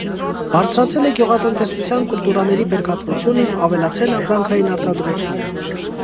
Բարձրացել է գյուղատնտեսության կուլտուրաների բերքատվությունը, ավելացել ապրանքային արտադրությունը։